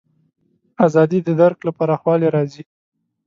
ازادي د درک له پراخوالي راځي.